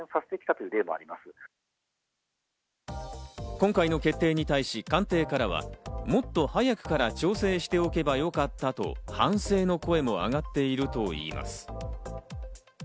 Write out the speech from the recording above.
今回の決定に対し、官邸からはもっと早くから調整しておけばよかったと、反省の声も上がっているといいます。